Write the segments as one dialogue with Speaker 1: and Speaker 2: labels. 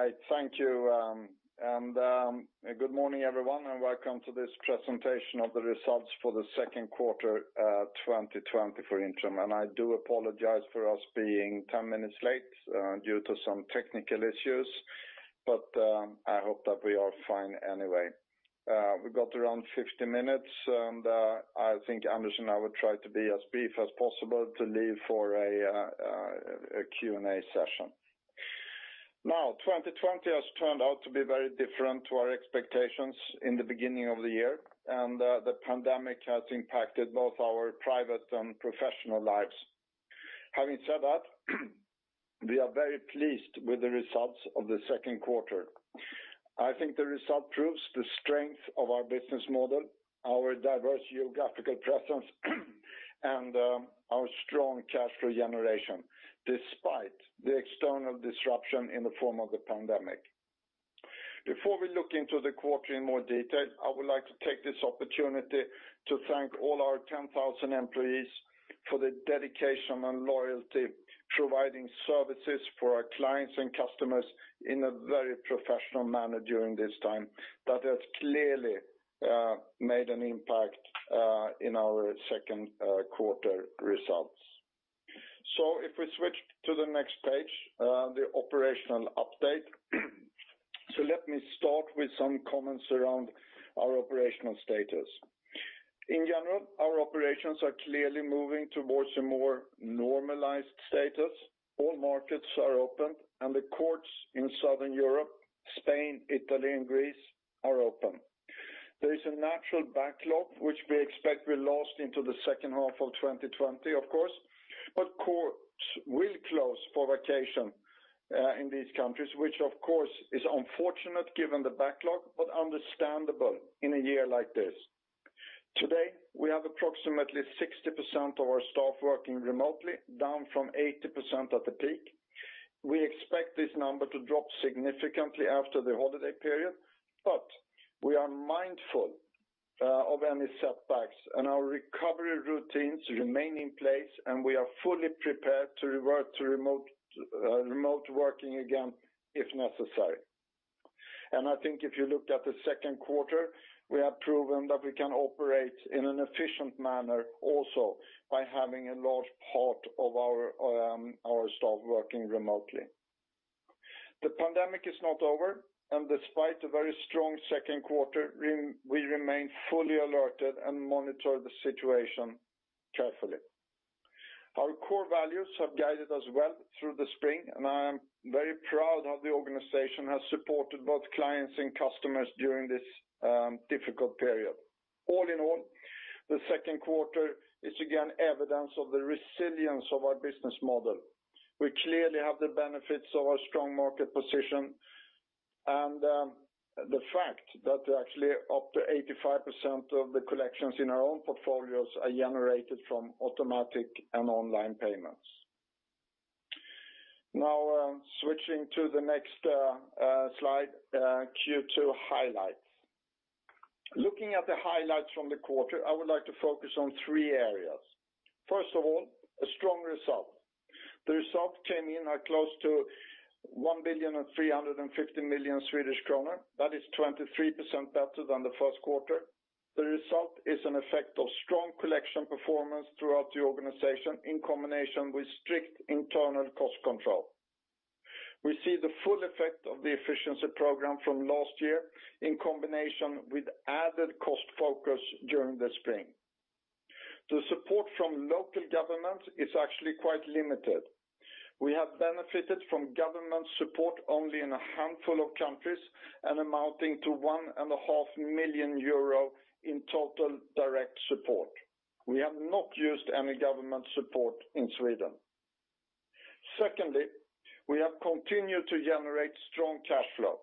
Speaker 1: All right. Thank you. Good morning, everyone, and welcome to this presentation of the results for the second quarter 2024 interim. I do apologize for us being 10 minutes late due to some technical issues, but I hope that we are fine anyway. We've got around 50 minutes, and I think Anders and I will try to be as brief as possible to leave for a Q&A session. Now, 2020 has turned out to be very different to our expectations in the beginning of the year, and the pandemic has impacted both our private and professional lives. Having said that, we are very pleased with the results of the second quarter. I think the result proves the strength of our business model, our diverse geographical presence, and our strong cash regeneration despite the external disruption in the form of the pandemic. Before we look into the quarter in more detail, I would like to take this opportunity to thank all our 10,000 employees for the dedication and loyalty providing services for our clients and customers in a very professional manner during this time that has clearly made an impact in our second quarter results. If we switch to the next page, the operational update. Let me start with some comments around our operational status. In general, our operations are clearly moving towards a more normalized status. All markets are open, and the courts in Southern Europe, Spain, Italy, and Greece are open. There is a natural backlog, which we expect will last into the second half of 2020, of course, but courts will close for vacation in these countries, which, of course, is unfortunate given the backlog, but understandable in a year like this. Today, we have approximately 60% of our staff working remotely, down from 80% at the peak. We expect this number to drop significantly after the holiday period, but we are mindful of any setbacks, and our recovery routines remain in place, and we are fully prepared to revert to remote working again if necessary. I think if you look at the second quarter, we have proven that we can operate in an efficient manner also by having a large part of our staff working remotely. The pandemic is not over, and despite a very strong second quarter, we remain fully alerted and monitor the situation carefully. Our core values have guided us well through the spring, and I am very proud how the organization has supported both clients and customers during this difficult period. All in all, the second quarter is again evidence of the resilience of our business model. We clearly have the benefits of our strong market position and the fact that actually up to 85% of the collections in our own portfolios are generated from automatic and online payments. Now, switching to the next slide, Q2 highlights. Looking at the highlights from the quarter, I would like to focus on three areas. First of all, a strong result. The result came in at close to 1.35 billion. That is 23% better than the first quarter. The result is an effect of strong collection performance throughout the organization in combination with strict internal cost control. We see the full effect of the efficiency program from last year in combination with added cost focus during the spring. The support from local governments is actually quite limited. We have benefited from government support only in a handful of countries and amounting to 1.5 million euro in total direct support. We have not used any government support in Sweden. Secondly, we have continued to generate strong cash flow.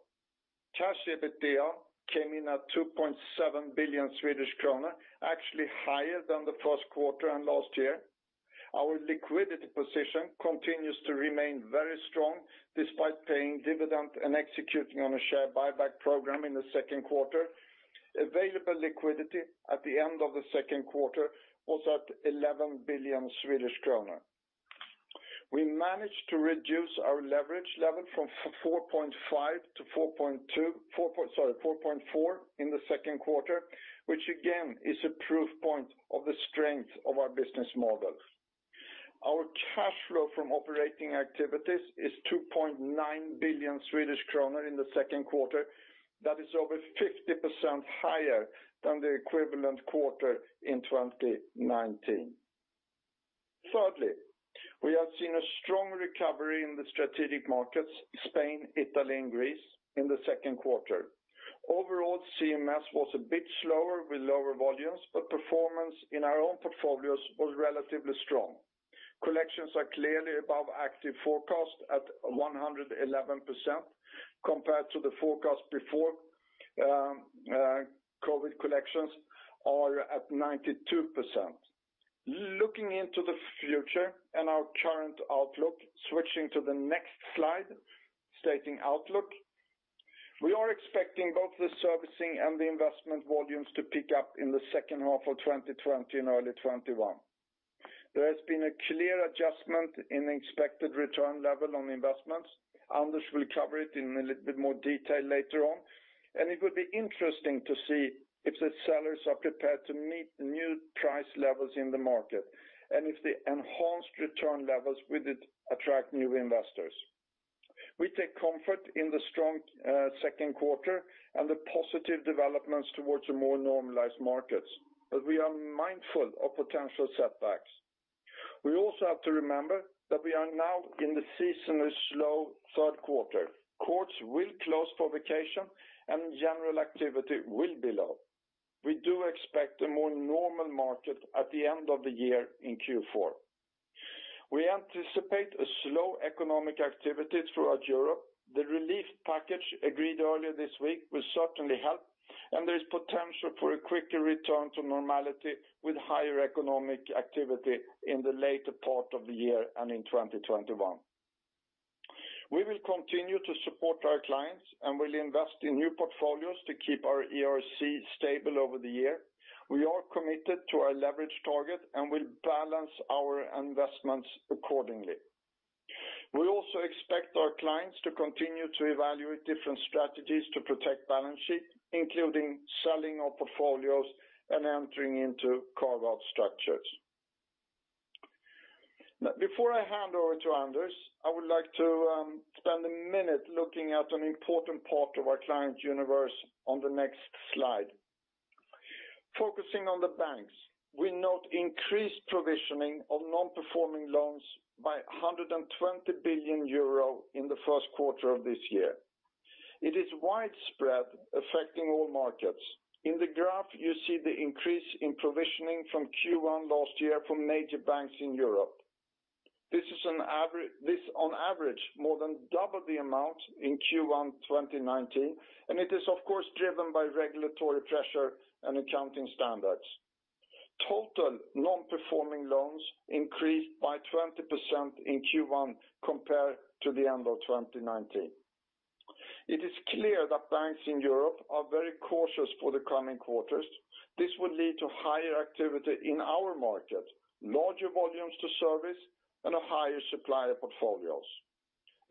Speaker 1: Cash EBITDA came in at 2.7 billion Swedish kronor, actually higher than the first quarter and last year. Our liquidity position continues to remain very strong despite paying dividend and executing on a share buyback program in the second quarter. Available liquidity at the end of the second quarter was at 11 billion Swedish kronor. We managed to reduce our leverage level from 4.5 to 4.2, sorry, 4.4 in the second quarter, which again is a proof point of the strength of our business model. Our cash flow from operating activities is 2.9 billion Swedish kronor in the second quarter. That is over 50% higher than the equivalent quarter in 2019. Thirdly, we have seen a strong recovery in the strategic markets, Spain, Italy, and Greece in the second quarter. Overall, CMS was a bit slower with lower volumes, but performance in our own portfolios was relatively strong. Collections are clearly above active forecast at 111% compared to the forecast before COVID collections are at 92%. Looking into the future and our current outlook, switching to the next slide stating outlook, we are expecting both the servicing and the investment volumes to pick up in the second half of 2020 and early 2021. There has been a clear adjustment in the expected return level on investments. Anders will cover it in a little bit more detail later on, and it would be interesting to see if the sellers are prepared to meet new price levels in the market and if the enhanced return levels would attract new investors. We take comfort in the strong second quarter and the positive developments towards the more normalized markets, but we are mindful of potential setbacks. We also have to remember that we are now in the seasonally slow third quarter. Courts will close for vacation, and general activity will be low. We do expect a more normal market at the end of the year in Q4. We anticipate slow economic activity throughout Europe. The relief package agreed earlier this week will certainly help, and there is potential for a quicker return to normality with higher economic activity in the later part of the year and in 2021. We will continue to support our clients and will invest in new portfolios to keep our ERC stable over the year. We are committed to our leverage target and will balance our investments accordingly. We also expect our clients to continue to evaluate different strategies to protect balance sheet, including selling our portfolios and entering into carve-out structures. Before I hand over to Anders, I would like to spend a minute looking at an important part of our client universe on the next slide. Focusing on the banks, we note increased provisioning of non-performing loans by 120 billion euro in the first quarter of this year. It is widespread, affecting all markets. In the graph, you see the increase in provisioning from Q1 last year from major banks in Europe. This is, on average, more than double the amount in Q1 2019, and it is, of course, driven by regulatory pressure and accounting standards. Total non-performing loans increased by 20% in Q1 compared to the end of 2019. It is clear that banks in Europe are very cautious for the coming quarters. This will lead to higher activity in our market, larger volumes to service, and a higher supply of portfolios.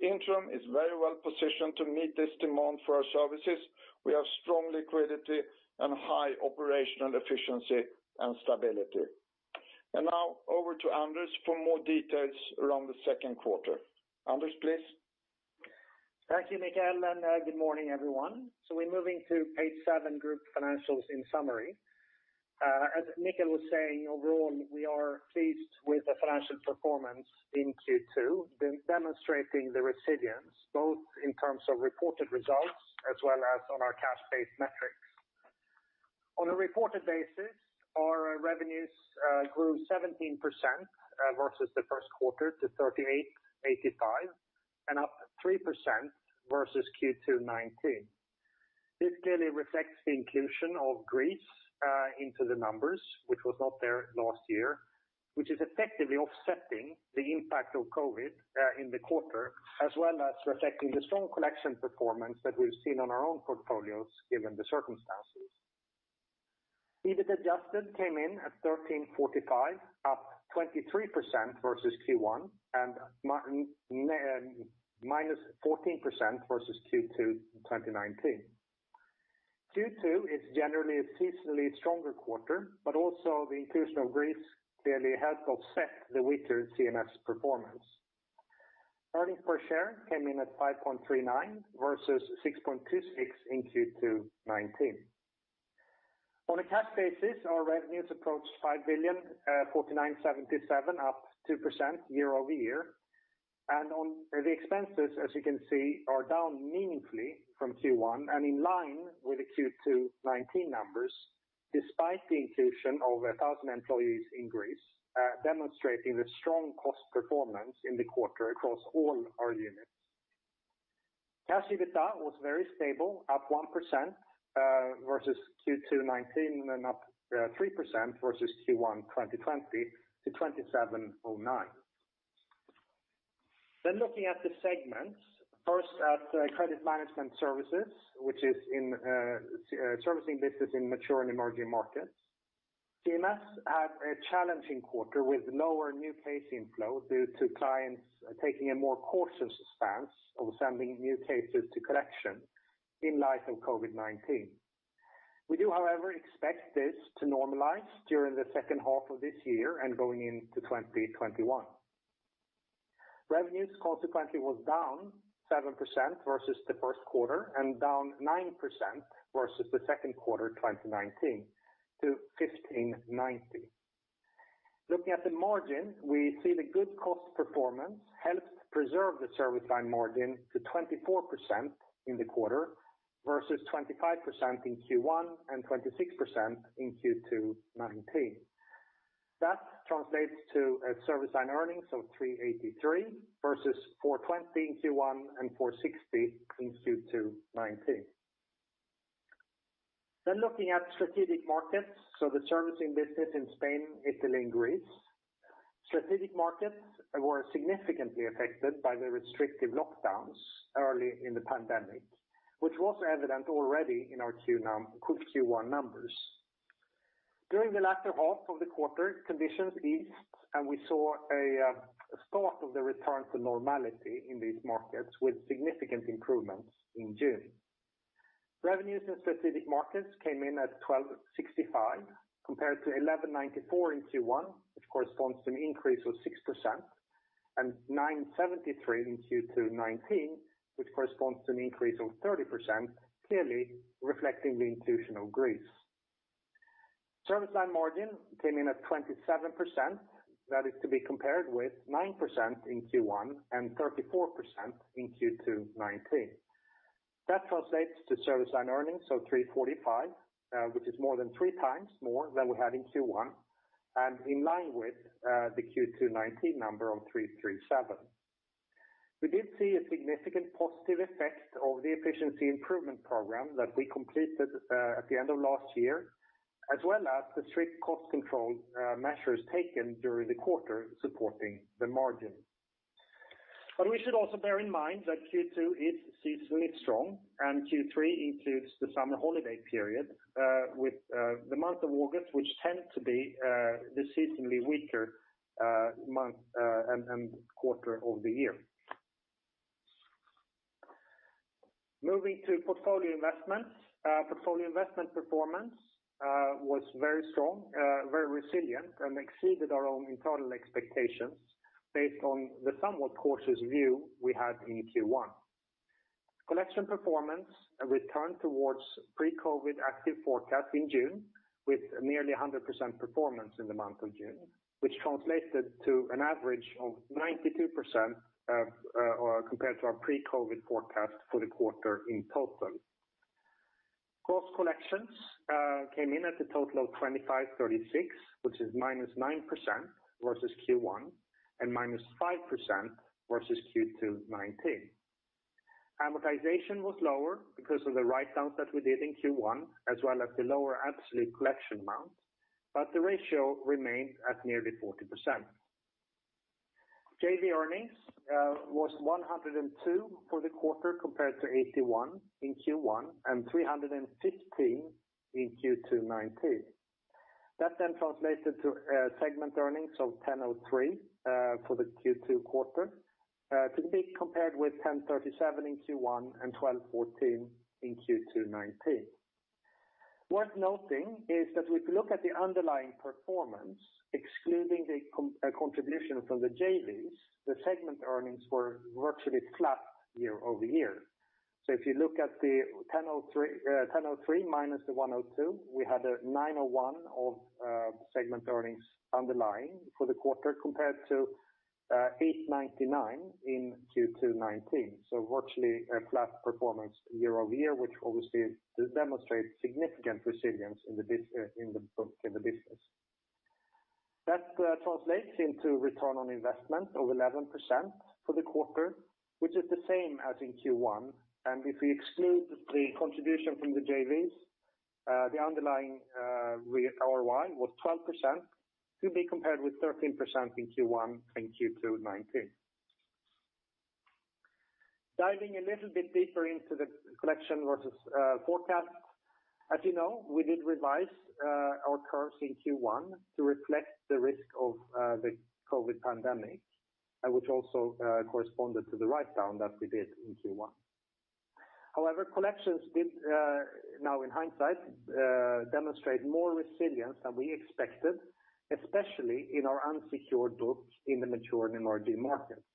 Speaker 1: Intrum is very well positioned to meet this demand for our services. We have strong liquidity and high operational efficiency and stability. Now over to Anders for more details around the second quarter. Anders, please.
Speaker 2: Thank you, Mikael, and good morning, everyone. We are moving to page seven, group financials in summary. As Mikael was saying, overall, we are pleased with the financial performance in Q2, demonstrating the resilience both in terms of reported results as well as on our cash-based metrics. On a reported basis, our revenues grew 17% versus the first quarter to 38.85 million and up 3% versus Q2 2019. This clearly reflects the inclusion of Greece into the numbers, which was not there last year, which is effectively offsetting the impact of COVID in the quarter, as well as reflecting the strong collection performance that we've seen on our own portfolios given the circumstances. EBIT adjusted came in at 13.45 million, up 23% versus Q1 and minus 14% versus Q2 2019. Q2 is generally a seasonally stronger quarter, but also the inclusion of Greece clearly helped offset the weaker CMS performance. Earnings per share came in at 5.39 versus 6.26 in Q2 2019. On a cash basis, our revenues approached 5 billion, 4,977 million, up 2% year-over-year. Expenses, as you can see, are down meaningfully from Q1 and in line with the Q2 2019 numbers, despite the inclusion of 1,000 employees in Greece, demonstrating the strong cost performance in the quarter across all our units. Cash EBITDA was very stable, up 1% versus Q2 2019 and up 3% versus Q1 2020 to 2,709 million. Looking at the segments, first at Credit Management Services, which is in servicing business in mature and emerging markets. CMS had a challenging quarter with lower new case inflow due to clients taking a more cautious stance of sending new cases to collection in light of COVID-19. We do, however, expect this to normalize during the second half of this year and going into 2021. Revenues consequently was down 7% versus the first quarter and down 9% versus the second quarter 2019 to 15.90 billion. Looking at the margin, we see the good cost performance helped preserve the service line margin to 24% in the quarter versus 25% in Q1 and 26% in Q2 2019. That translates to a service line earnings of 383 million versus 420 million in Q1 and 460 million in Q2 2019. Looking at strategic markets, the servicing business in Spain, Italy, and Greece, strategic markets were significantly affected by the restrictive lockdowns early in the pandemic, which was evident already in our Q1 numbers. During the latter half of the quarter, conditions eased and we saw a start of the return to normality in these markets with significant improvements in June. Revenues in specific markets came in at 12.65 billion compared to 11.94 billion in Q1, which corresponds to an increase of 6%, and 9.73 billion in Q2 2019, which corresponds to an increase of 30%, clearly reflecting the inclusion of Greece. Service line margin came in at 27%. That is to be compared with 9% in Q1 and 34% in Q2 2019. That translates to service line earnings, so 345 million, which is more than three times more than we had in Q1 and in line with the Q2 2019 number of 337 million. We did see a significant positive effect of the efficiency improvement program that we completed at the end of last year, as well as the strict cost control measures taken during the quarter supporting the margin. We should also bear in mind that Q2 is seasonally strong and Q3 includes the summer holiday period with the month of August, which tends to be the seasonally weaker month and quarter of the year. Moving to portfolio investments, portfolio investment performance was very strong, very resilient, and exceeded our own internal expectations based on the somewhat cautious view we had in Q1. Collection performance returned towards pre-COVID active forecast in June with nearly 100% performance in the month of June, which translated to an average of 92% compared to our pre-COVID forecast for the quarter in total. Gross collections came in at a total of 25.36 billion, which is minus 9% versus Q1 and minus 5% versus Q2 2019. Amortization was lower because of the write-downs that we did in Q1, as well as the lower absolute collection amount, but the ratio remained at nearly 40%. JV earnings was 102 million for the quarter compared to 81 million in Q1 and 315 million in Q2 2019. That then translated to segment earnings of 1,003 million for the Q2 quarter, to be compared with 1,037 million in Q1 and 1,214 million in Q2 2019. Worth noting is that if we look at the underlying performance, excluding the contribution from the JVs, the segment earnings were virtually flat year-over-year. If you look at the 1,003 million minus the 1,002 million, we had 901 million of segment earnings underlying for the quarter compared to 899 million in Q2 2019, so virtually a flat performance year-over-year, which obviously demonstrates significant resilience in the business. That translates into return on investment of 11% for the quarter, which is the same as in Q1. If we exclude the contribution from the JVs, the underlying ROI was 12%, to be compared with 13% in Q1 and Q2 2019. Diving a little bit deeper into the collection versus forecast, as you know, we did revise our curves in Q1 to reflect the risk of the COVID pandemic, which also corresponded to the write-down that we did in Q1. However, collections did, now in hindsight, demonstrate more resilience than we expected, especially in our unsecured book in the mature and emerging markets.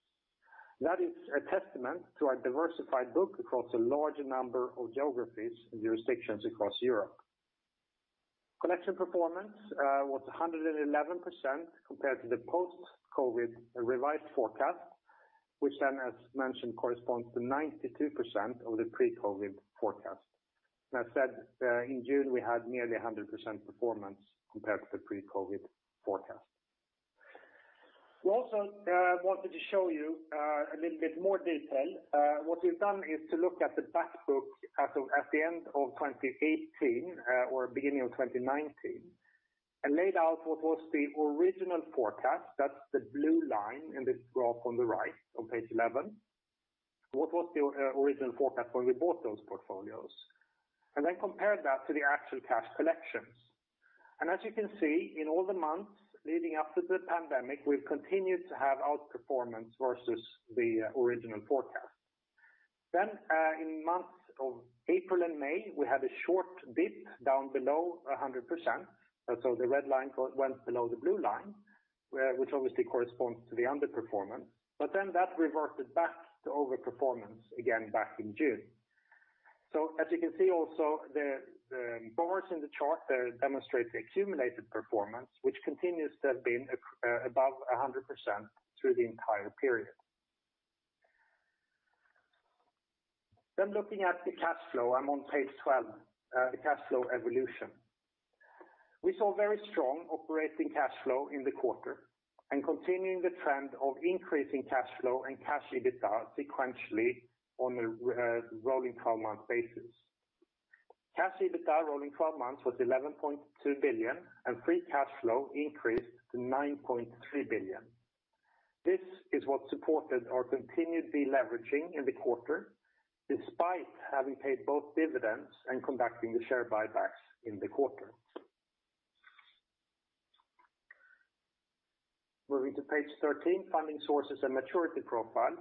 Speaker 2: That is a testament to our diversified book across a large number of geographies and jurisdictions across Europe. Collection performance was 111% compared to the post-COVID revised forecast, which then, as mentioned, corresponds to 92% of the pre-COVID forecast. As said, in June, we had nearly 100% performance compared to the pre-COVID forecast. We also wanted to show you a little bit more detail. What we've done is to look at the back book at the end of 2018 or beginning of 2019 and laid out what was the original forecast. That's the blue line in this graph on the right on page 11. What was the original forecast when we bought those portfolios? And then compared that to the actual cash collections. As you can see, in all the months leading up to the pandemic, we've continued to have outperformance versus the original forecast. In months of April and May, we had a short dip down below 100%. The red line went below the blue line, which obviously corresponds to the underperformance. That reverted back to overperformance again back in June. As you can see, also, the bars in the chart demonstrate the accumulated performance, which continues to have been above 100% through the entire period. Looking at the cash flow, I'm on page 12, the cash flow evolution. We saw very strong operating cash flow in the quarter and continuing the trend of increasing cash flow and cash EBITDA sequentially on a rolling 12-month basis. Cash EBITDA rolling 12 months was 11.2 billion, and free cash flow increased to 9.3 billion. This is what supported our continued deleveraging in the quarter, despite having paid both dividends and conducting the share buybacks in the quarter. Moving to page 13, funding sources and maturity profile.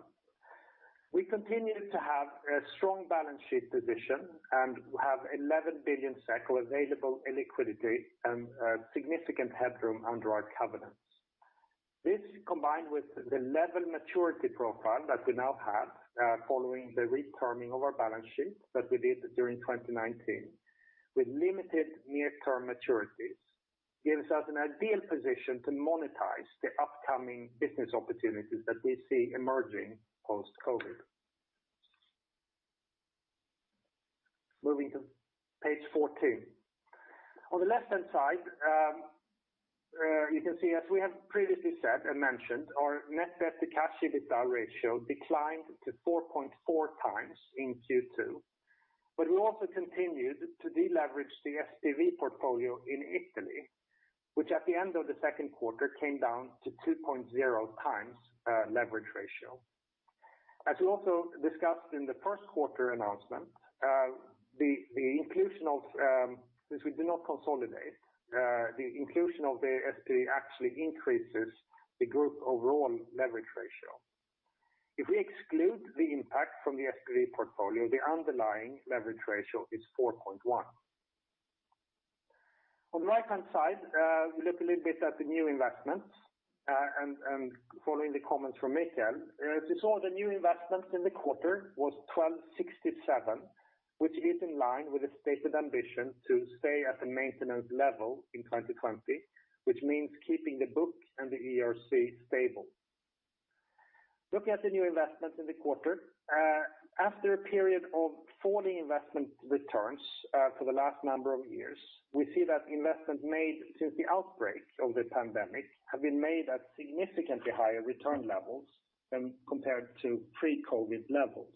Speaker 2: We continue to have a strong balance sheet position and have 11 billion SEK of available liquidity and significant headroom under our covenants. This, combined with the level maturity profile that we now have, following the re-terming of our balance sheet that we did during 2019, with limited near-term maturities, gives us an ideal position to monetize the upcoming business opportunities that we see emerging post-COVID. Moving to page 14. On the left-hand side, you can see, as we have previously said and mentioned, our net debt to cash EBITDA ratio declined to 4.4 times in Q2, but we also continued to deleverage the SPV portfolio in Italy, which at the end of the second quarter came down to 2.0 times leverage ratio. As we also discussed in the first quarter announcement, the inclusion of, since we did not consolidate, the inclusion of the SPV actually increases the group overall leverage ratio. If we exclude the impact from the SPV portfolio, the underlying leverage ratio is 4.1. On the right-hand side, we look a little bit at the new investments, and following the comments from Mikael, we saw the new investments in the quarter was 12.67 million, which is in line with the stated ambition to stay at the maintenance level in 2020, which means keeping the book and the ERC stable. Looking at the new investments in the quarter, after a period of falling investment returns for the last number of years, we see that investments made since the outbreak of the pandemic have been made at significantly higher return levels than compared to pre-COVID levels.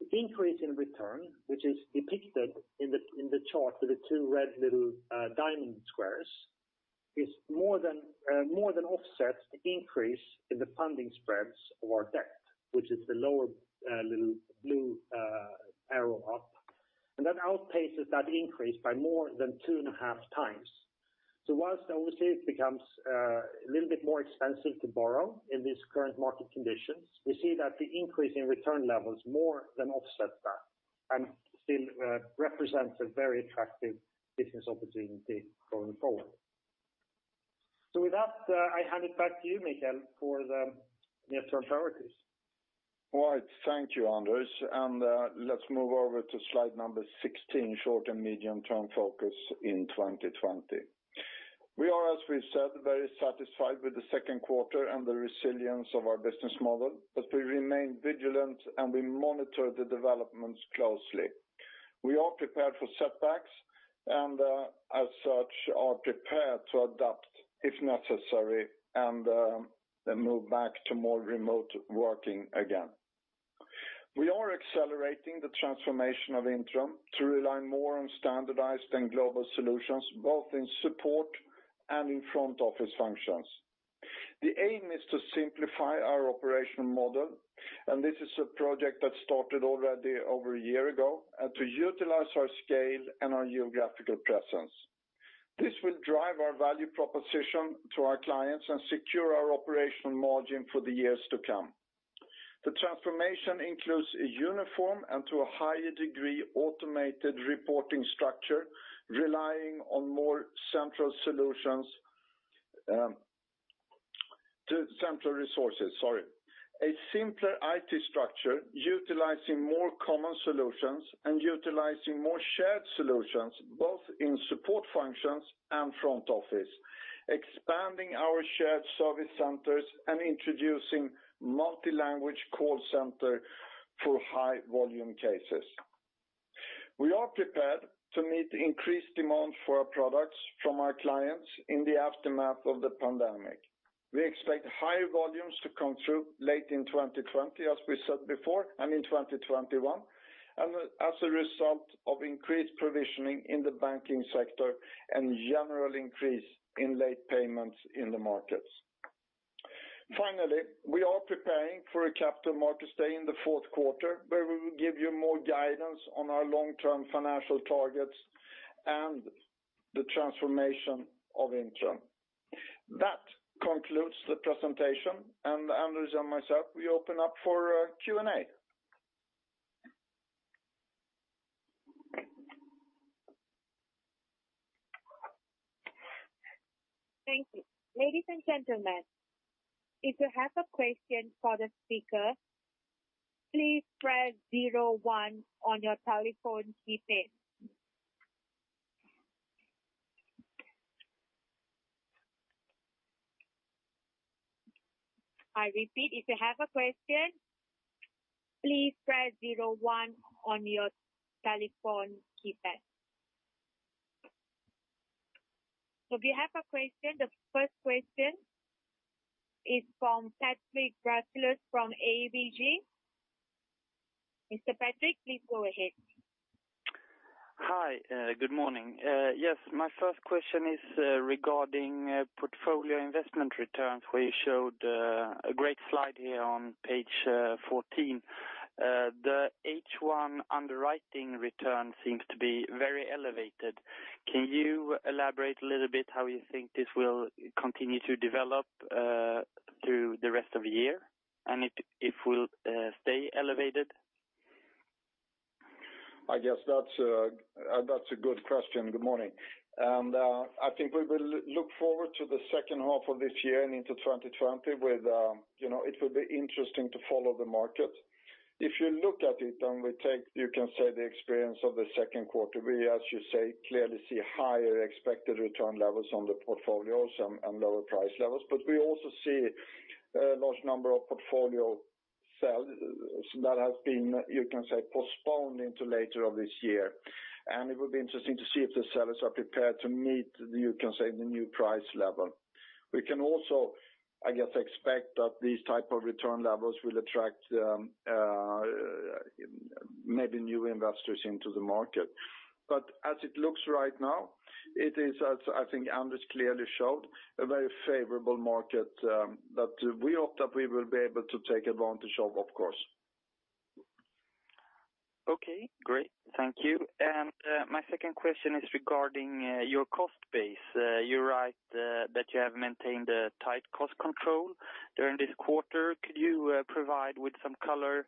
Speaker 2: The increase in return, which is depicted in the chart with the two red little diamond squares, more than offsets the increase in the funding spreads of our debt, which is the lower little blue arrow up. That outpaces that increase by more than 2.5 times. Whilst obviously it becomes a little bit more expensive to borrow in these current market conditions, we see that the increase in return levels more than offsets that and still represents a very attractive business opportunity going forward. With that, I hand it back to you, Mikael, for the near-term priorities.
Speaker 1: All right. Thank you, Anders. Let's move over to slide number 16, short and medium-term focus in 2020. We are, as we said, very satisfied with the second quarter and the resilience of our business model, but we remain vigilant and we monitor the developments closely. We are prepared for setbacks and, as such, are prepared to adapt if necessary and move back to more remote working again. We are accelerating the transformation of Intrum to rely more on standardized and global solutions, both in support and in front office functions. The aim is to simplify our operational model, and this is a project that started already over a year ago, and to utilize our scale and our geographical presence. This will drive our value proposition to our clients and secure our operational margin for the years to come. The transformation includes a uniform and, to a higher degree, automated reporting structure relying on more central resources. Sorry. A simpler IT structure utilizing more common solutions and utilizing more shared solutions, both in support functions and front office, expanding our shared service centers and introducing multi-language call center for high-volume cases. We are prepared to meet increased demand for our products from our clients in the aftermath of the pandemic. We expect higher volumes to come through late in 2020, as we said before, and in 2021, and as a result of increased provisioning in the banking sector and general increase in late payments in the markets. Finally, we are preparing for a capital markets day in the fourth quarter, where we will give you more guidance on our long-term financial targets and the transformation of Intrum. That concludes the presentation, and Anders and myself, we open up for Q&A.
Speaker 3: Thank you. Ladies and gentlemen, if you have a question for the speaker, please press 01 on your telephone keypad. I repeat, if you have a question, please press 01 on your telephone keypad. If you have a question, the first question is from Patrick Bracklers from AVG. Mr. Patrick, please go ahead. Hi. Good morning.
Speaker 4: Yes, my first question is regarding portfolio investment returns, where you showed a great slide here on page 14. The H1 underwriting return seems to be very elevated. Can you elaborate a little bit how you think this will continue to develop through the rest of the year and if it will stay elevated?
Speaker 1: I guess that's a good question. Good morning. I think we will look forward to the second half of this year and into 2020, with it will be interesting to follow the market. If you look at it and we take, you can say, the experience of the second quarter, we, as you say, clearly see higher expected return levels on the portfolios and lower price levels. We also see a large number of portfolio sales that have been, you can say, postponed into later of this year. It would be interesting to see if the sellers are prepared to meet, you can say, the new price level. We can also, I guess, expect that these types of return levels will attract maybe new investors into the market. As it looks right now, it is, as I think Anders clearly showed, a very favorable market that we hope that we will be able to take advantage of, of course.
Speaker 4: Okay. Great. Thank you. My second question is regarding your cost base. You write that you have maintained tight cost control during this quarter. Could you provide with some color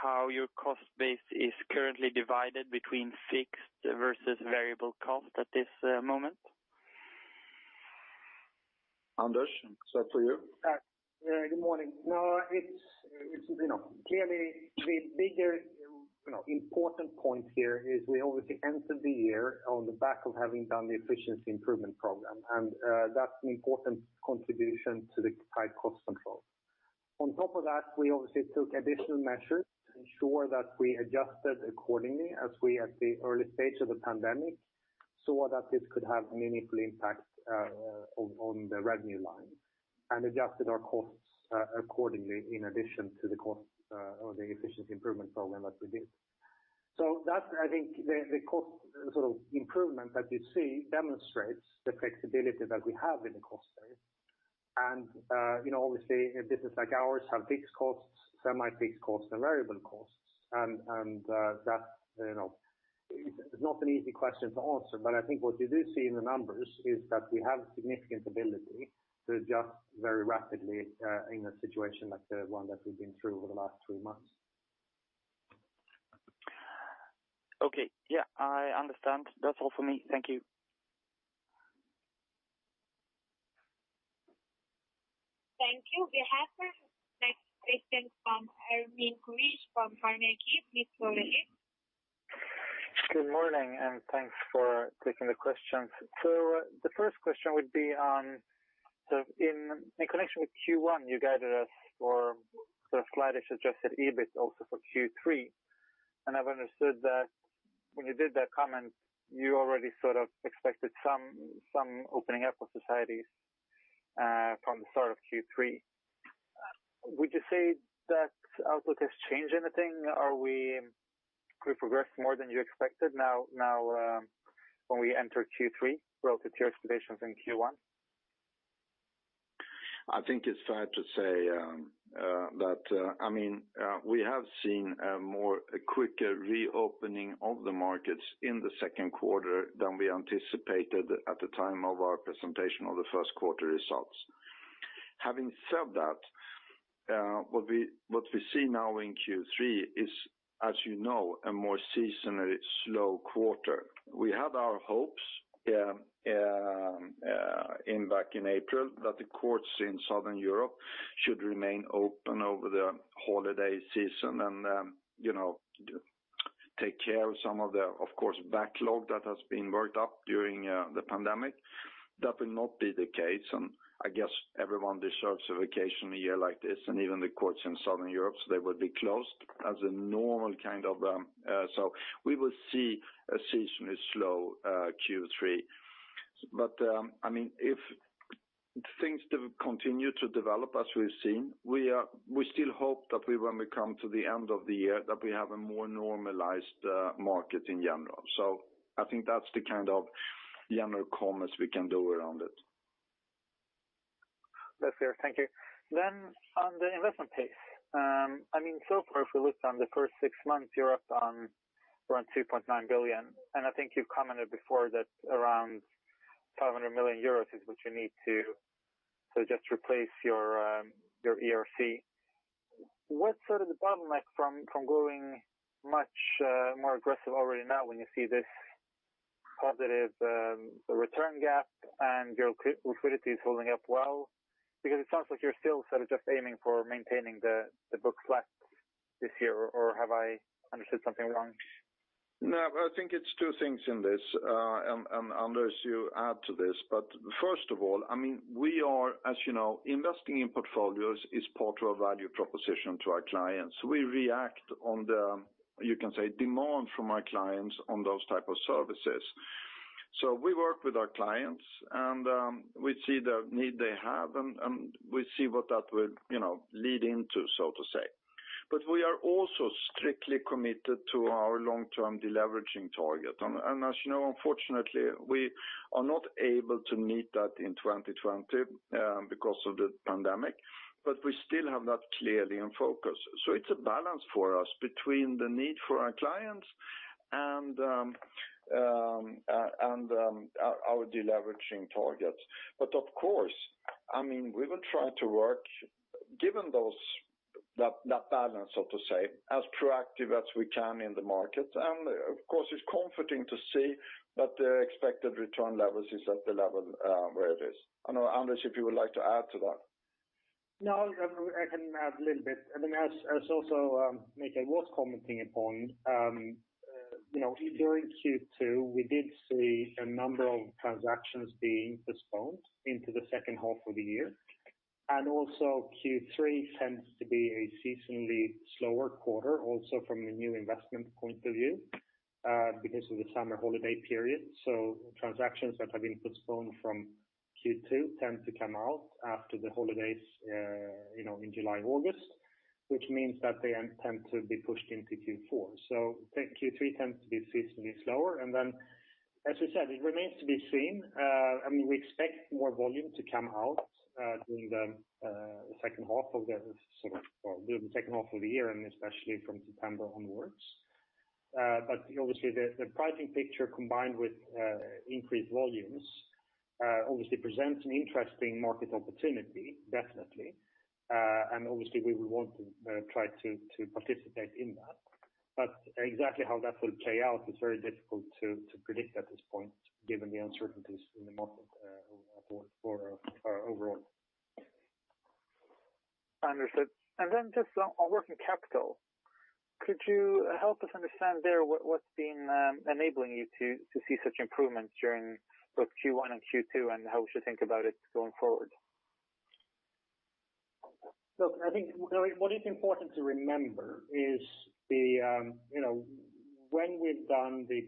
Speaker 4: how your cost base is currently divided between fixed versus variable cost at this moment?
Speaker 1: Anders, is that for you?
Speaker 2: Good morning. No, it's clearly the bigger important point here is we obviously entered the year on the back of having done the efficiency improvement program, and that's an important contribution to the tight cost control. On top of that, we obviously took additional measures to ensure that we adjusted accordingly as we, at the early stage of the pandemic, saw that this could have a meaningful impact on the revenue line and adjusted our costs accordingly in addition to the cost of the efficiency improvement program that we did. I think the cost sort of improvement that you see demonstrates the flexibility that we have in the cost space. Obviously, business like ours have fixed costs, semi-fixed costs, and variable costs. That's not an easy question to answer, but I think what you do see in the numbers is that we have significant ability to adjust very rapidly in a situation like the one that we've been through over the last three months.
Speaker 4: Okay. Yeah, I understand. That's all for me. Thank you.
Speaker 3: Thank you. We have next question from Annette Kumlien from FarmAQ. Please go ahead. Good morning, and thanks for taking the questions. The first question would be in connection with Q1, you guided us for sort of slide-ish adjusted EBIT also for Q3. I've understood that when you did that comment, you already sort of expected some opening up of societies from the start of Q3. Would you say that outlook has changed anything? Are we progressing more than you expected now when we enter Q3 relative to your expectations in Q1?
Speaker 1: I think it's fair to say that, I mean, we have seen a quicker reopening of the markets in the second quarter than we anticipated at the time of our presentation of the first quarter results. Having said that, what we see now in Q3 is, as you know, a more seasonally slow quarter. We had our hopes back in April that the courts in Southern Europe should remain open over the holiday season and take care of some of the, of course, backlog that has been worked up during the pandemic. That will not be the case. I guess everyone deserves a vacation year like this, and even the courts in Southern Europe, so they will be closed as a normal kind of. We will see a seasonally slow Q3. I mean, if things continue to develop as we've seen, we still hope that when we come to the end of the year, we have a more normalized market in general. I think that's the kind of general comments we can do around it. That's fair. Thank you. On the investment pace, I mean, so far, if we look on the first six months, you're up around 2.9 billion. I think you've commented before that around 500 million euros is what you need to just replace your ERC. What's sort of the bottleneck from going much more aggressive already now when you see this positive return gap and your liquidity is holding up well? It sounds like you're still sort of just aiming for maintaining the book flat this year, or have I understood something wrong? No, I think it's two things in this, Anders, you add to this. First of all, I mean, we are, as you know, investing in portfolios is part of our value proposition to our clients. We react on the, you can say, demand from our clients on those types of services. We work with our clients, and we see the need they have, and we see what that will lead into, so to say. We are also strictly committed to our long-term deleveraging target. As you know, unfortunately, we are not able to meet that in 2020 because of the pandemic, but we still have that clearly in focus. It is a balance for us between the need for our clients and our deleveraging targets. Of course, I mean, we will try to work, given that balance, so to say, as proactive as we can in the market. Of course, it's comforting to see that the expected return levels is at the level where it is. Anders, if you would like to add to that.
Speaker 2: No, I can add a little bit. I mean, as also Mikael was commenting upon, during Q2, we did see a number of transactions being postponed into the second half of the year. Also, Q3 tends to be a seasonally slower quarter, also from a new investment point of view because of the summer holiday period. Transactions that have been postponed from Q2 tend to come out after the holidays in July, August, which means that they tend to be pushed into Q4. Q3 tends to be seasonally slower. Then, as we said, it remains to be seen. I mean, we expect more volume to come out during the second half of the year, and especially from September onwards. Obviously, the pricing picture combined with increased volumes obviously presents an interesting market opportunity, definitely. Obviously, we will want to try to participate in that. Exactly how that will play out is very difficult to predict at this point, given the uncertainties in the market for our overall. Understood. Just on working capital, could you help us understand there what's been enabling you to see such improvements during both Q1 and Q2, and how would you think about it going forward? Look, I think what is important to remember is when we've done the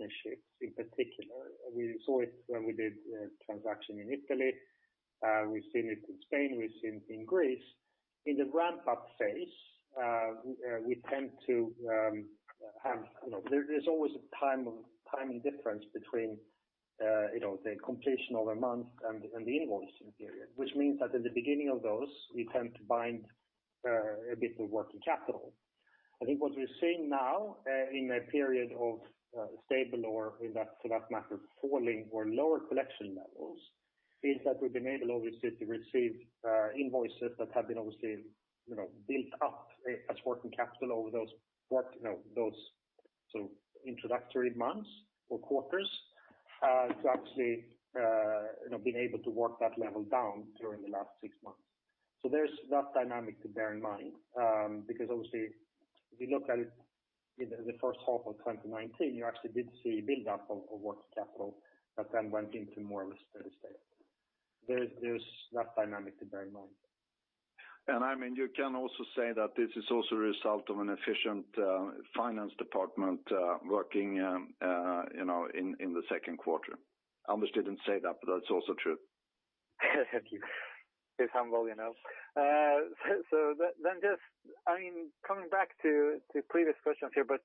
Speaker 2: partnerships in particular, we saw it when we did transaction in Italy. We've seen it in Spain. We've seen it in Greece. In the ramp-up phase, we tend to have there's always a time difference between the completion of a month and the invoicing period, which means that in the beginning of those, we tend to bind a bit of working capital. I think what we're seeing now in a period of stable or, for that matter, falling or lower collection levels is that we've been able, obviously, to receive invoices that have been obviously built up as working capital over those sort of introductory months or quarters to actually have been able to work that level down during the last six months. There is that dynamic to bear in mind because, obviously, if you look at it in the first half of 2019, you actually did see a build-up of working capital that then went into more of a steady state. There's that dynamic to bear in mind.
Speaker 1: I mean, you can also say that this is also a result of an efficient finance department working in the second quarter. Anders didn't say that, but that's also true. Thank you. It's humbling enough. Just, I mean, coming back to previous questions here, but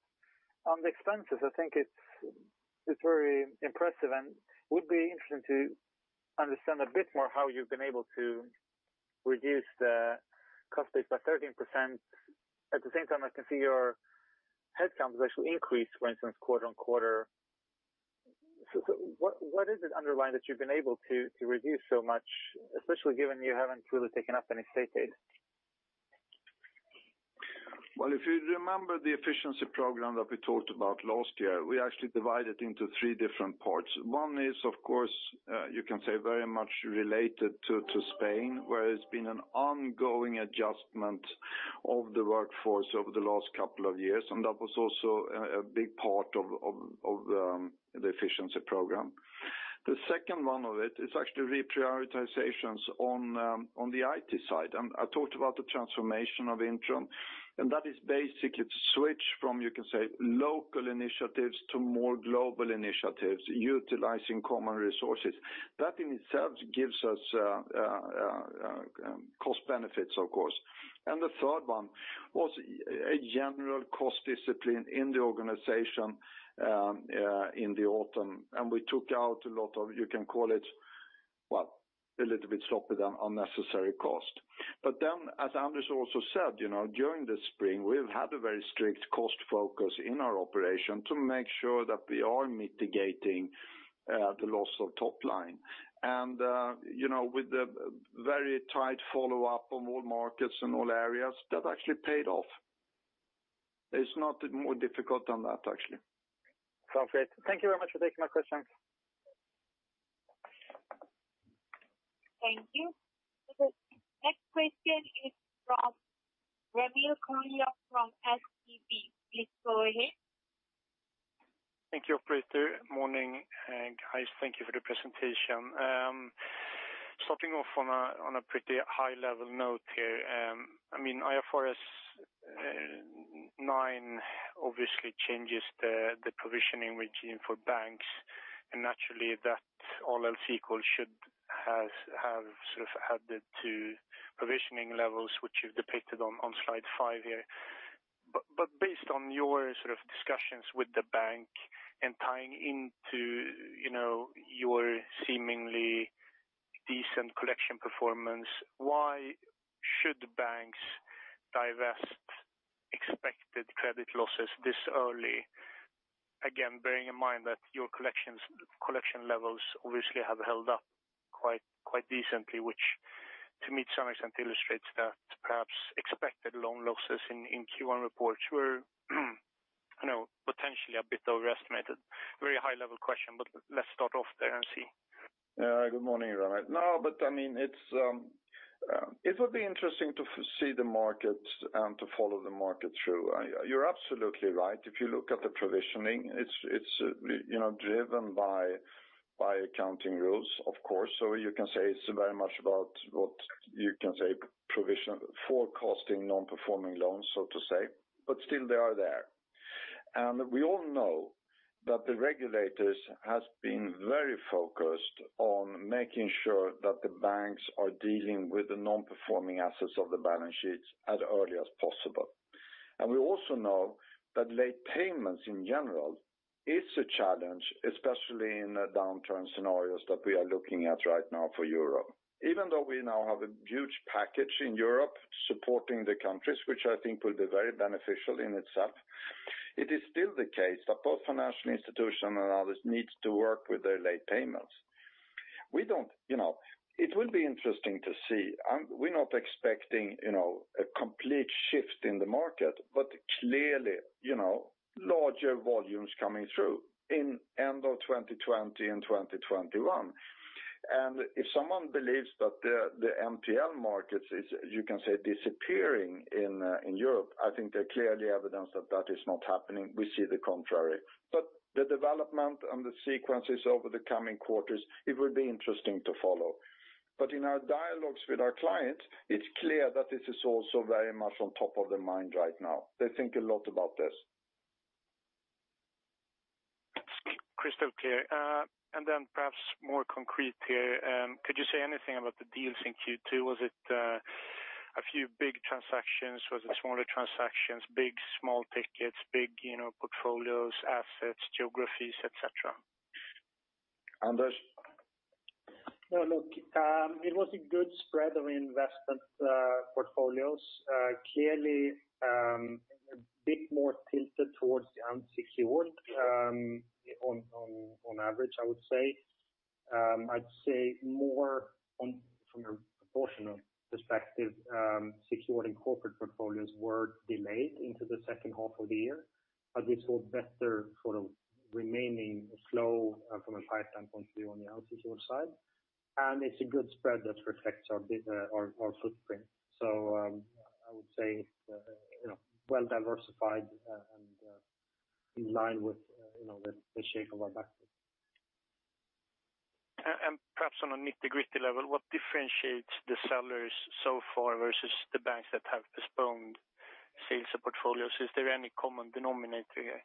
Speaker 1: on the expenses, I think it's very impressive and would be interesting to understand a bit more how you've been able to reduce the cost base by 13%. At the same time, I can see your headcount has actually increased, for instance, quarter on quarter. What is it underlying that you've been able to reduce so much, especially given you haven't really taken up any stay pace? If you remember the efficiency program that we talked about last year, we actually divided it into three different parts. One is, of course, you can say very much related to Spain, where it's been an ongoing adjustment of the workforce over the last couple of years, and that was also a big part of the efficiency program. The second one of it is actually reprioritizations on the IT side. I talked about the transformation of Intrum, and that is basically to switch from, you can say, local initiatives to more global initiatives, utilizing common resources. That in itself gives us cost benefits, of course. The third one was a general cost discipline in the organization in the autumn, and we took out a lot of, you can call it, well, a little bit sloppy then, unnecessary cost. As Anders also said, during the spring, we've had a very strict cost focus in our operation to make sure that we are mitigating the loss of top line. With the very tight follow-up on all markets and all areas, that actually paid off. It's not more difficult than that, actually. Sounds great. Thank you very much for taking my questions.
Speaker 3: Thank you. Next question is from Ramil Kumlium from SEB. Please go ahead.
Speaker 5: Thank you. Pretty good morning, guys. Thank you for the presentation. Starting off on a pretty high-level note here, I mean, IFRS 9 obviously changes the provisioning regime for banks, and naturally, that all else equal should have sort of added to provisioning levels, which you've depicted on slide five here. Based on your sort of discussions with the bank and tying into your seemingly decent collection performance, why should banks divest expected credit losses this early? Again, bearing in mind that your collection levels obviously have held up quite decently, which, to me, to some extent, illustrates that perhaps expected loan losses in Q1 reports were potentially a bit overestimated. Very high-level question, but let's start off there and see.
Speaker 1: Good morning, Ronald. No, I mean, it would be interesting to see the markets and to follow the market through. You're absolutely right. If you look at the provisioning, it's driven by accounting rules, of course. You can say it's very much about what you can say, forecasting non-performing loans, so to say, but still they are there. We all know that the regulators have been very focused on making sure that the banks are dealing with the non-performing assets off the balance sheets as early as possible. We also know that late payments in general is a challenge, especially in the downturn scenarios that we are looking at right now for Europe. Even though we now have a huge package in Europe supporting the countries, which I think will be very beneficial in itself, it is still the case that both financial institutions and others need to work with their late payments. It will be interesting to see. We're not expecting a complete shift in the market, but clearly larger volumes coming through in the end of 2020 and 2021. If someone believes that the NPL markets is, you can say, disappearing in Europe, I think there's clearly evidence that that is not happening. We see the contrary. The development and the sequences over the coming quarters, it will be interesting to follow. In our dialogues with our clients, it is clear that this is also very much on top of their mind right now. They think a lot about this.
Speaker 5: Crystal clear. Perhaps more concrete here, could you say anything about the deals in Q2? Was it a few big transactions? Was it smaller transactions? Big, small tickets, big portfolios, assets, geographies, etc.?
Speaker 1: Anders.
Speaker 2: No, look, it was a good spread of investment portfolios. Clearly, a bit more tilted towards the unsecured on average, I would say. I would say more from a proportional perspective, secured and corporate portfolios were delayed into the second half of the year, but we saw better sort of remaining flow from a pipeline point of view on the unsecured side. It is a good spread that reflects our footprint. I would say well-diversified and in line with the shape of our backlog.
Speaker 5: Perhaps on a nitty-gritty level, what differentiates the sellers so far versus the banks that have postponed sales of portfolios? Is there any common denominator here?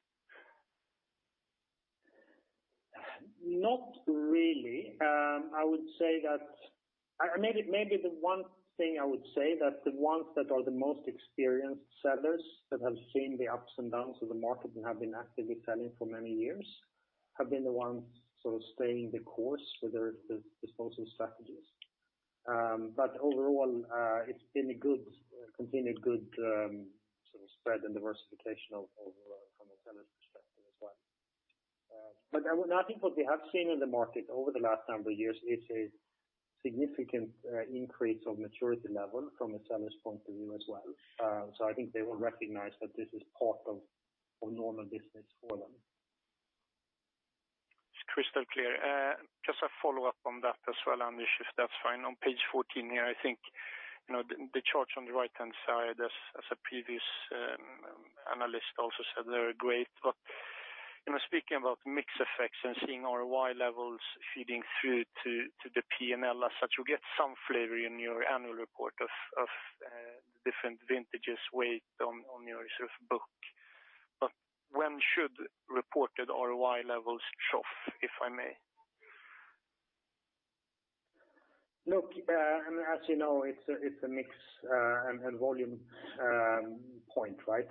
Speaker 2: Not really. I would say that maybe the one thing I would say is that the ones that are the most experienced sellers, that have seen the ups and downs of the market and have been actively selling for many years, have been the ones sort of staying the course with their disposal strategies. Overall, it has been a good, continued good sort of spread and diversification from a seller's perspective as well. I think what we have seen in the market over the last number of years is a significant increase of maturity level from a seller's point of view as well. I think they will recognize that this is part of normal business for them.
Speaker 5: It's crystal clear. Just a follow-up on that as well, Anders, if that's fine. On page 14 here, I think the chart on the right-hand side, as a previous analyst also said, they're great. Speaking about mixed effects and seeing ROI levels feeding through to the P&L, as such, you get some flavor in your annual report of the different vintages weighed on your sort of book. When should reported ROI levels trough, if I may? Look, I mean, as you know, it's a mixed volume point, right?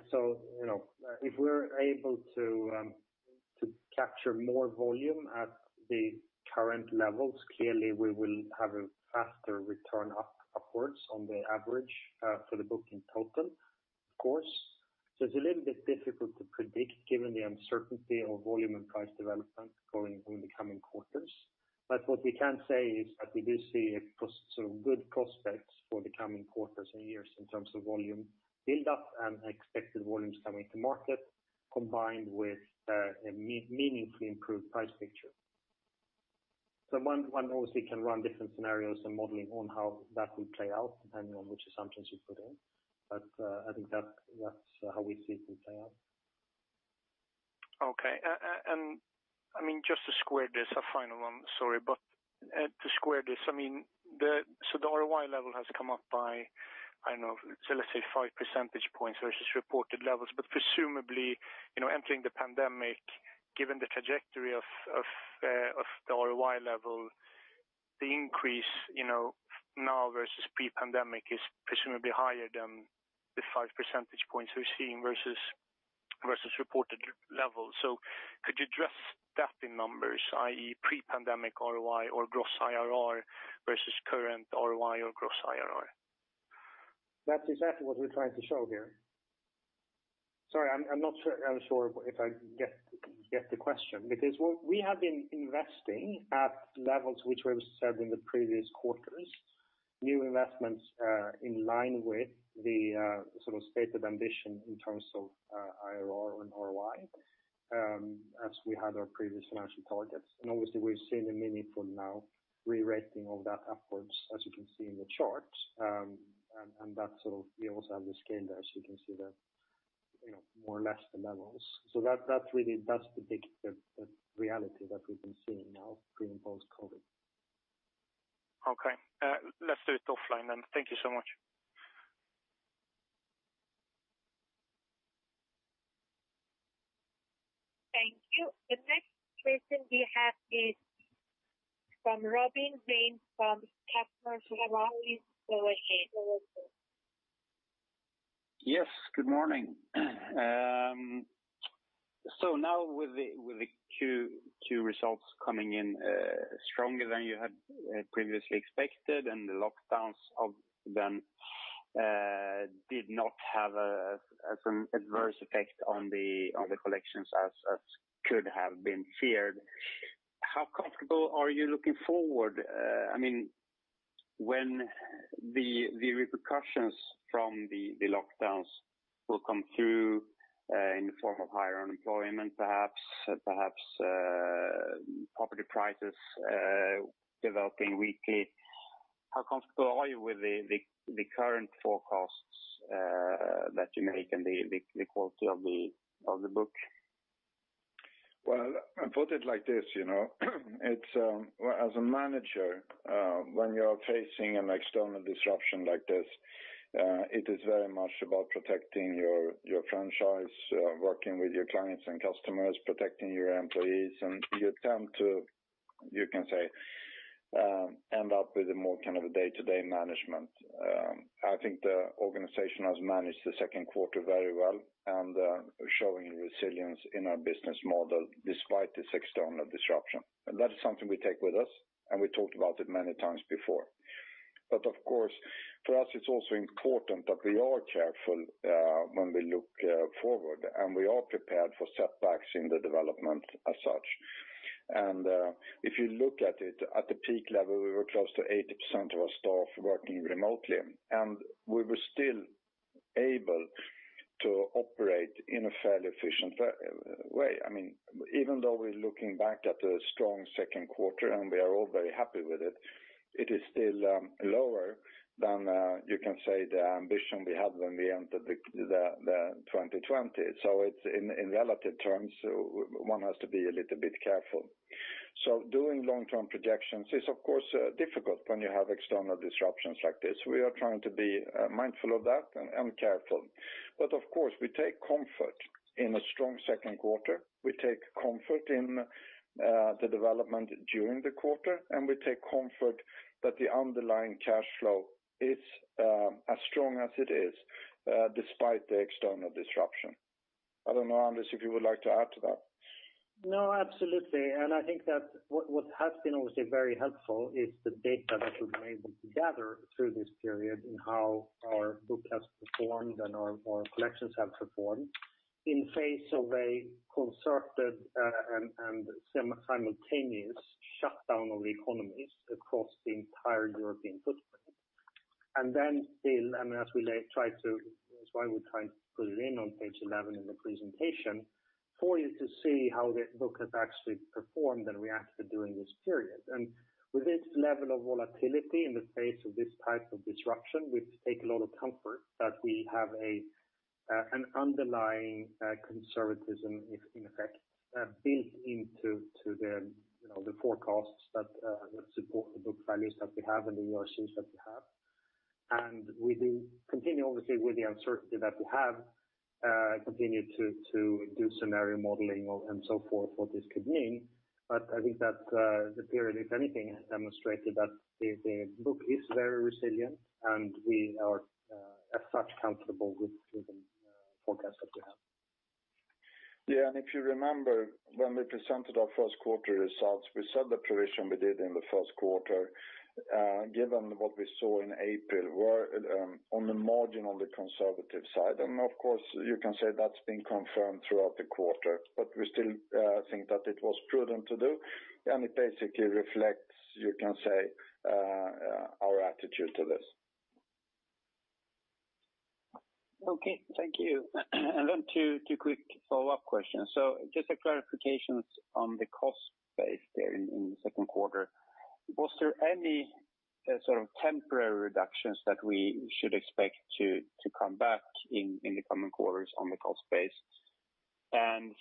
Speaker 2: If we're able to capture more volume at the current levels, clearly we will have a faster return upwards on the average for the book in total, of course. It's a little bit difficult to predict given the uncertainty of volume and price development going in the coming quarters. What we can say is that we do see good prospects for the coming quarters and years in terms of volume build-up and expected volumes coming to market combined with a meaningfully improved price picture. One obviously can run different scenarios and modeling on how that will play out depending on which assumptions you put in. I think that's how we see it will play out.
Speaker 5: Okay. I mean, just to square this, a final one, sorry, but to square this, I mean, the ROI level has come up by, I do not know, so let's say 5 percentage points versus reported levels. Presumably, entering the pandemic, given the trajectory of the ROI level, the increase now versus pre-pandemic is presumably higher than the 5 percentage points we are seeing versus reported levels. Could you address that in numbers, i.e., pre-pandemic ROI or gross IRR versus current ROI or gross IRR? That is exactly what we are trying to show here.
Speaker 2: Sorry, I am not sure if I get the question because we have been investing at levels which were set in the previous quarters, new investments in line with the sort of stated ambition in terms of IRR and ROI as we had our previous financial targets. Obviously, we've seen a meaningful now rerating of that upwards, as you can see in the chart. That sort of, we also have the scale there, as you can see there, more or less the levels. That's the big reality that we've been seeing now pre and post-COVID.
Speaker 5: Okay. Let's do it offline then. Thank you so much.
Speaker 3: Thank you. The next question we have is from Robin Rains from Kaufman Ferrari Store here. Yes. Good morning. Now with the Q2 results coming in stronger than you had previously expected and the lockdowns then did not have some adverse effect on the collections as could have been feared, how comfortable are you looking forward?
Speaker 2: I mean, when the repercussions from the lockdowns will come through in the form of higher unemployment, perhaps, perhaps property prices developing weakly, how comfortable are you with the current forecasts that you make and the quality of the book?
Speaker 1: I put it like this. As a manager, when you're facing an external disruption like this, it is very much about protecting your franchise, working with your clients and customers, protecting your employees. You tend to, you can say, end up with a more kind of day-to-day management. I think the organization has managed the second quarter very well and showing resilience in our business model despite this external disruption. That is something we take with us, and we talked about it many times before. Of course, for us, it's also important that we are careful when we look forward, and we are prepared for setbacks in the development as such. If you look at it at the peak level, we were close to 80% of our staff working remotely, and we were still able to operate in a fairly efficient way. I mean, even though we're looking back at a strong second quarter and we are all very happy with it, it is still lower than you can say the ambition we had when we entered 2020. In relative terms, one has to be a little bit careful. Doing long-term projections is, of course, difficult when you have external disruptions like this. We are trying to be mindful of that and careful. Of course, we take comfort in a strong second quarter. We take comfort in the development during the quarter, and we take comfort that the underlying cash flow is as strong as it is despite the external disruption. I don't know, Anders, if you would like to add to that.
Speaker 2: No, absolutely. I think that what has been obviously very helpful is the data that we've been able to gather through this period and how our book has performed and our collections have performed in face of a concerted and simultaneous shutdown of the economies across the entire European footprint. I mean, as we try to, that's why we're trying to put it in on page 11 in the presentation for you to see how the book has actually performed and reacted during this period. With this level of volatility in the face of this type of disruption, we take a lot of comfort that we have an underlying conservatism, in effect, built into the forecasts that support the book values that we have and the USCs that we have. We do continue, obviously, with the uncertainty that we have, to do scenario modeling and so forth, what this could mean. I think that the period, if anything, has demonstrated that the book is very resilient, and we are, as such, comfortable with the forecast that we have. Yeah. If you remember, when we presented our first quarter results, we said the provision we did in the first quarter, given what we saw in April, were on the margin on the conservative side. Of course, you can say that's been confirmed throughout the quarter, but we still think that it was prudent to do. It basically reflects, you can say, our attitude to this.
Speaker 6: Okay. Thank you. Two quick follow-up questions. Just a clarification on the cost base there in the second quarter. Was there any sort of temporary reductions that we should expect to come back in the coming quarters on the cost base?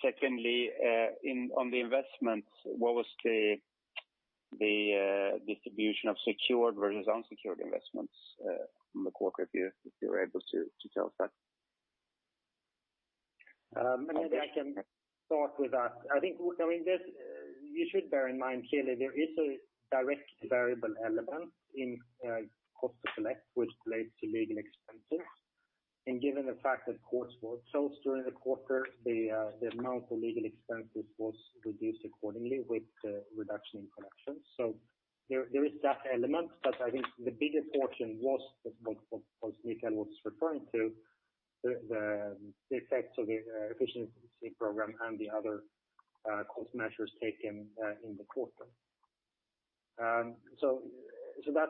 Speaker 6: Secondly, on the investments, what was the distribution of secured versus unsecured investments in the quarter, if you're able to tell us that?
Speaker 2: Maybe I can start with that. I think, I mean, you should bear in mind clearly there is a direct variable element in cost of collect, which relates to legal expenses. Given the fact that courts were closed during the quarter, the amount of legal expenses was reduced accordingly with the reduction in collections. There is that element, but I think the bigger portion was, as Mikael was referring to, the effects of the efficiency program and the other cost measures taken in the quarter. That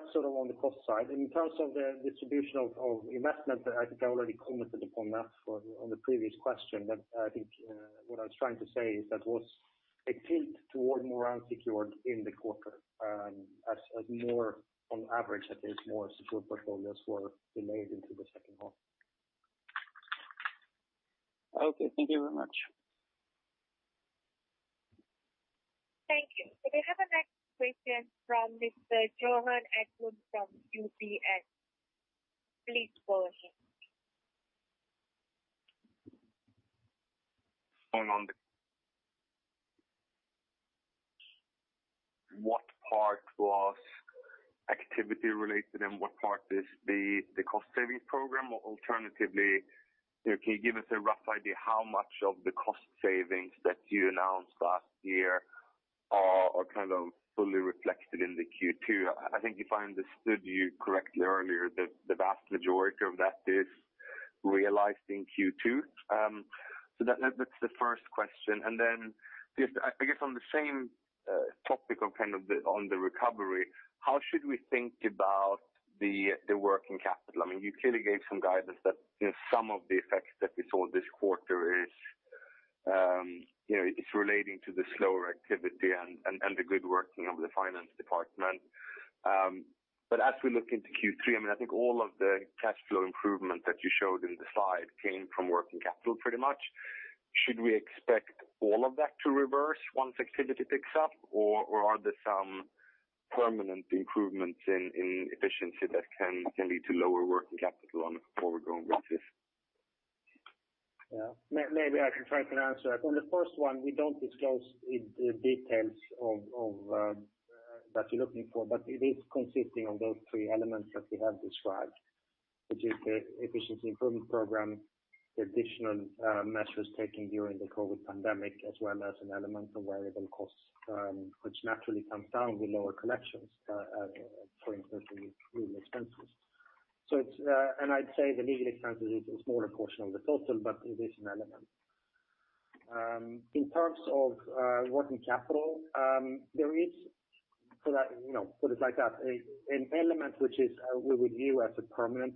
Speaker 2: is sort of on the cost side. In terms of the distribution of investments, I think I already commented upon that on the previous question, but I think what I was trying to say is that there was a tilt toward more unsecured in the quarter, as more on average, I think, more secured portfolios were delayed into the second half.
Speaker 6: Thank you very much.
Speaker 3: Thank you. We have a next question from Mr. Johan Eklund from UBS. Please go ahead. [Going on the.]
Speaker 7: What part was activity-related and what part is the cost-saving program? Alternatively, can you give us a rough idea how much of the cost savings that you announced last year are kind of fully reflected in the Q2? I think if I understood you correctly earlier, the vast majority of that is realized in Q2. That is the first question. I guess on the same topic of kind of on the recovery, how should we think about the working capital? I mean, you clearly gave some guidance that some of the effects that we saw this quarter is relating to the slower activity and the good working of the finance department. As we look into Q3, I mean, I think all of the cash flow improvement that you showed in the slide came from working capital pretty much. Should we expect all of that to reverse once activity picks up, or are there some permanent improvements in efficiency that can lead to lower working capital on a forward-going basis?
Speaker 2: Yeah. Maybe I can try to answer that. On the first one, we do not disclose the details that you're looking for, but it is consisting of those three elements that we have described, which is the efficiency improvement program, the additional measures taken during the COVID pandemic, as well as an element of variable costs, which naturally comes down with lower collections, for instance, with legal expenses. I would say the legal expenses is a smaller portion of the total, but it is an element. In terms of working capital, there is, put it like that, an element which we would view as a permanent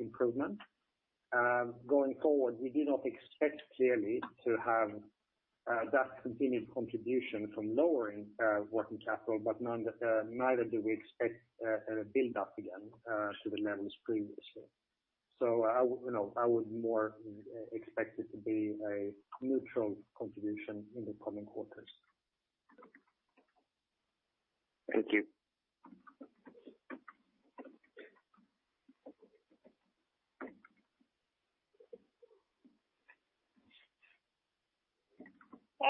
Speaker 2: improvement. Going forward, we do not expect clearly to have that continued contribution from lowering working capital, but neither do we expect a build-up again to the levels previously. I would more expect it to be a neutral contribution in the coming quarters.
Speaker 7: Thank you.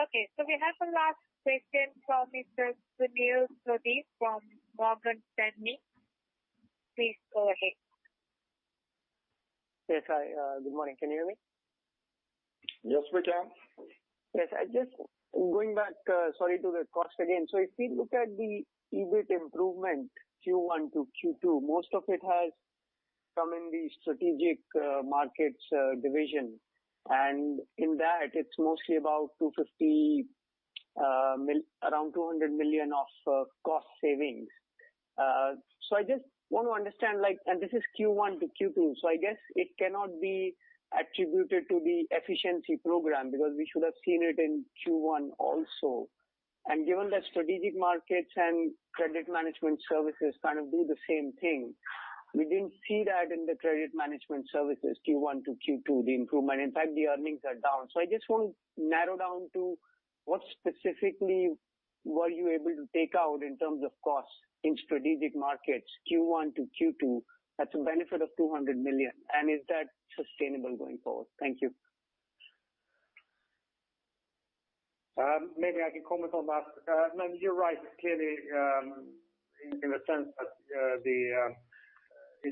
Speaker 3: Okay. We have a last question from Mr. Sunil Reddy from Morgan Stanley. Please go ahead.
Speaker 8: Yes. Hi. Good morning. Can you hear me?
Speaker 2: Yes, we can.
Speaker 8: Yes. Just going back, sorry, to the cost again. If we look at the EBIT improvement Q1 to Q2, most of it has come in the strategic markets division. In that, it is mostly about around 200 million of cost savings. I just want to understand, and this is Q1 to Q2. I guess it cannot be attributed to the efficiency program because we should have seen it in Q1 also. Given that strategic markets and credit management services kind of do the same thing, we did not see that in the credit management services Q1 to Q2, the improvement. In fact, the earnings are down. I just want to narrow down to what specifically were you able to take out in terms of costs in strategic markets Q1 to Q2 at the benefit of 200 million? Is that sustainable going forward? Thank you.
Speaker 2: Maybe I can comment on that. You are right. Clearly, in the sense that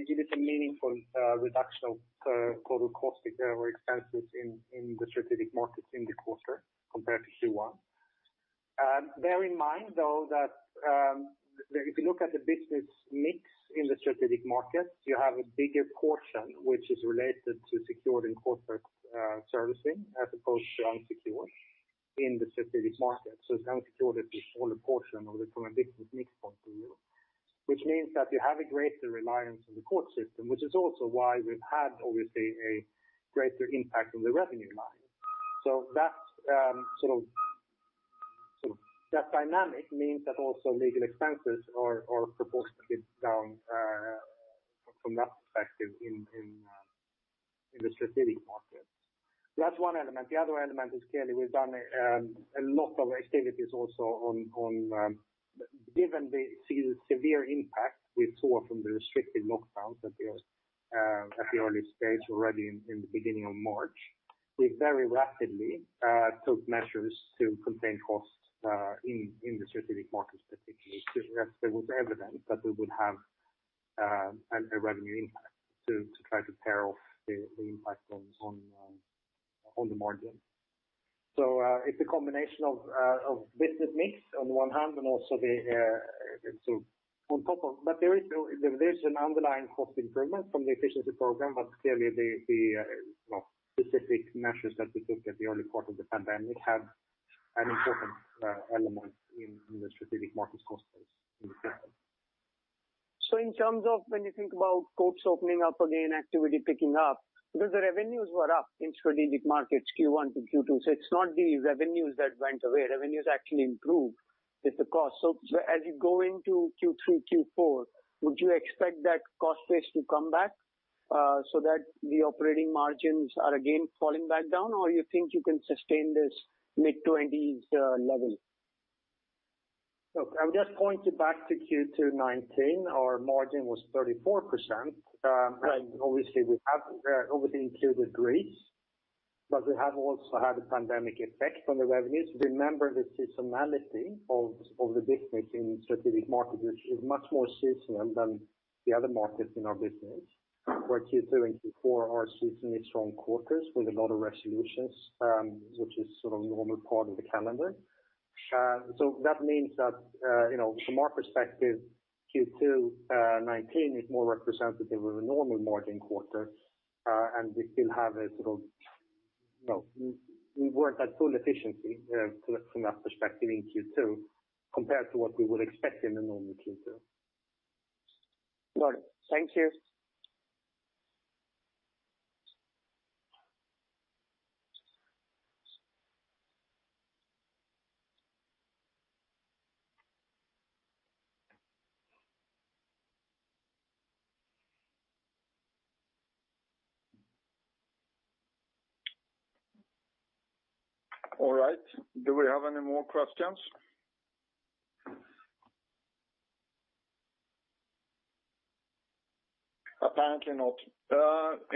Speaker 2: it is a meaningful reduction of total cost or expenses in the strategic markets in the quarter compared to Q1. Bear in mind, though, that if you look at the business mix in the strategic markets, you have a bigger portion which is related to secured and corporate servicing as opposed to unsecured in the strategic markets. is unsecured, which is the smaller portion from a business mix point of view, which means that you have a greater reliance on the court system, which is also why we've had, obviously, a greater impact on the revenue line. That dynamic means that also legal expenses are proportionately down from that perspective in the strategic markets. That's one element. The other element is clearly we've done a lot of activities also on, given the severe impact we saw from the restricted lockdowns at the early stage already in the beginning of March, we very rapidly took measures to contain costs in the strategic markets, particularly as there was evidence that we would have a revenue impact to try to tear off the impact on the margin. It's a combination of business mix on the one hand and also the sort of on top of, but there is an underlying cost improvement from the efficiency program. Clearly, the specific measures that we took at the early part of the pandemic had an important element in the strategic markets cost base in the system.
Speaker 8: In terms of when you think about courts opening up again, activity picking up, because the revenues were up in strategic markets Q1 to Q2, it's not the revenues that went away. Revenues actually improved with the cost. As you go into Q3, Q4, would you expect that cost base to come back so that the operating margins are again falling back down, or you think you can sustain this mid-20s level?
Speaker 2: I would just point you back to Q2 2019. Our margin was 34%. Obviously, we have obviously included Greece, but we have also had a pandemic effect on the revenues. Remember, the seasonality of the business in strategic markets is much more seasonal than the other markets in our business, where Q2 and Q4 are seasonally strong quarters with a lot of resolutions, which is sort of a normal part of the calendar. That means that from our perspective, Q2 2019 is more representative of a normal margin quarter, and we still have a sort of we were not at full efficiency from that perspective in Q2 compared to what we would expect in a normal Q2. Got it. Thank you.
Speaker 1: All right. Do we have any more questions?
Speaker 2: Apparently not.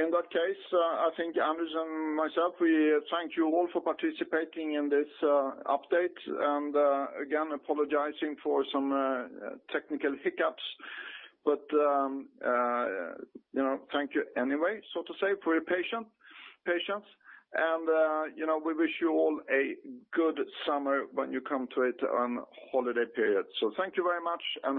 Speaker 1: In that case, I think Anders and myself, we thank you all for participating in this update and, again, apologizing for some technical hiccups, but thank you anyway, so to say, for your patience. We wish you all a good summer when you come to it on holiday period. Thank you very much.